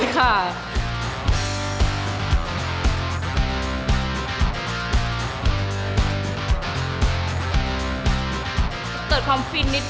เกิดความฟินนิดน